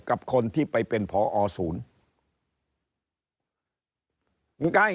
กับคนที่ไปเป็นพอศูนย์